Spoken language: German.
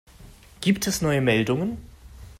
Gibt es neue Meldungen?